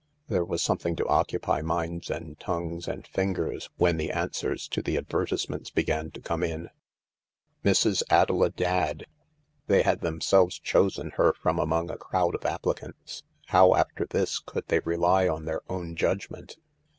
There was something to occupy minds and tongues and fingers when the answers to the advertisements began to come in, Mrs. Adela Dadd — they had themselves chosen her from among a crowd of applicants; how, after this, could they rely on their own judgment